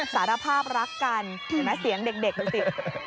สารภาพรักกันเห็นไหมเสียงเด็กดูสิ